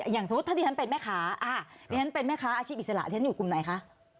อย่างสมมุติถ้าที่ฉันเป็นแม่ค้าอาชีพอิสระที่ฉันอยู่กลุ่มไหนคะ